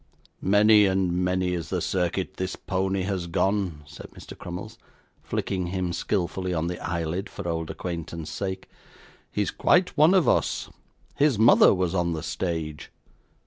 'Many and many is the circuit this pony has gone,' said Mr. Crummles, flicking him skilfully on the eyelid for old acquaintance' sake. 'He is quite one of us. His mother was on the stage.